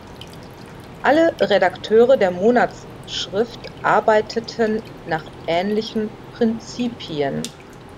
Alle Redakteure der Monatsschrift arbeiteten nach ähnlichen Prinzipien.